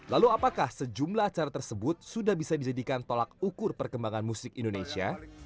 lalu apakah sejumlah acara tersebut sudah bisa dijadikan tolak ukur perkembangan musik indonesia